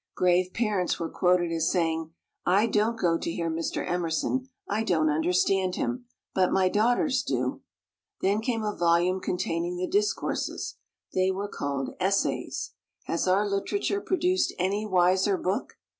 Grave parents were quoted as saying, "I don't go to hear Mr. Emerson; I don't understand him. But my daughters do." Then came a volume containing the discourses. They were called Essays. Has our literature produced any wiser book?